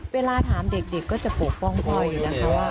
เวลาถามเด็กก็จะโปร่งพ่ออยู่นะคะ